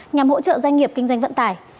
nhằm hỗ trợ doanh nghiệp kinh doanh vận tải